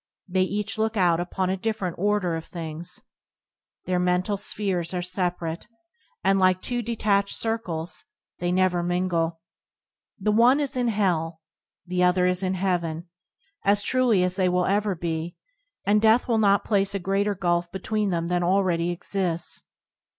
They each look out upon a different order of things. Their mental spheres are sepa rate, and, like two detached circles, they never mingle. The one is in hell, the other in heaven, as truly as they will ever be, and death will not place a greater gulf between them than already exists.